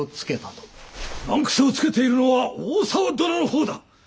難癖をつけているのは大沢殿の方だ！